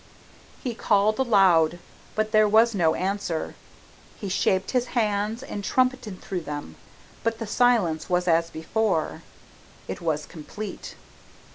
He called aloud, but there was no answer. He shaped his hands and trumpeted through them, but the silence was as before it was complete.